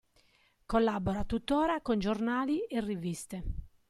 Collabora tuttora con giornali e riviste.